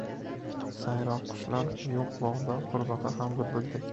• Sayroqi qushlar yo‘q bog‘da qurbaqa ham bulbuldek.